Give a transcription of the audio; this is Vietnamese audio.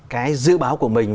cái dự báo của mình